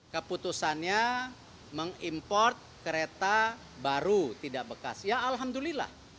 keputusannya mengimport kereta baru tidak bekas ya alhamdulillah